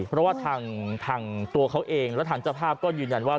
เพราะว่าทางตัวเขาเองและทางเจ้าภาพก็ยืนยันว่า